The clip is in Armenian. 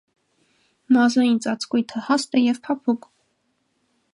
Մազային ծածկույթը հաստ է և փափուկ։